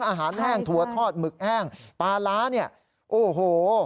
อาหารแห้งถั่วทอดหมึกแห้งปลาร้าเนี่ยโอ้โห